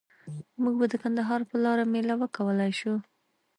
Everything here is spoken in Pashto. موږ به د کندهار په لاره میله وکولای شو؟